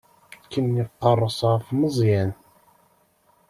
Ken iqerres ɣef Meẓyan.